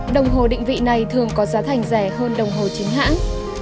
đồng hồ định vị này thường có giá thành rẻ hơn đồng hồ chính hãng